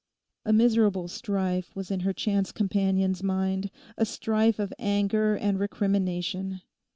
A miserable strife was in her chance companion's mind, a strife of anger and recrimination.